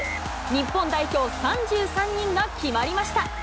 日本代表３３人が決まりました。